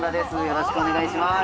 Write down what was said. よろしくお願いします。